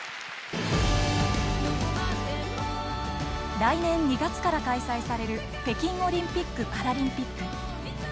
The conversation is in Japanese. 来年２月から開催される北京オリンピック・パラリンピック。